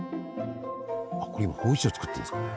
あっこれ今ほうじ茶作ってるんですかね？